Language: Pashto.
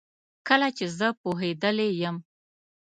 کله چي زه پوهیدلې یم